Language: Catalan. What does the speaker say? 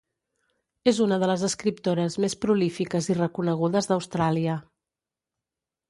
És una de les escriptores més prolífiques i reconegudes d'Austràlia.